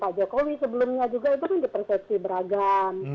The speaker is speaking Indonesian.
pak jokowi sebelumnya juga itu kan dipersepsi beragam